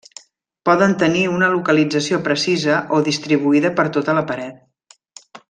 Poden tenir una localització precisa o distribuïda per tota la paret.